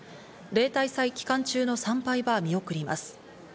例大祭期間中の参拝は見送ります。